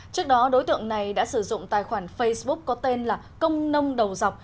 trước đó đối tượng này đã sử dụng tài khoản facebook có tên là công nông đầu dọc